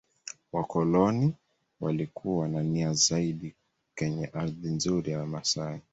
Wakoloni walikuwa na nia zaidi kenye ardhi nzuri ya wamasai